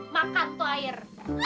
makan tuh air